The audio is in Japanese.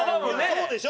そうでしょ？